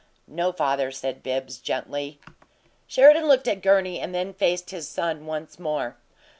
"No, father," said Bibbs, gently. Sheridan looked at Gurney and then faced his son once more.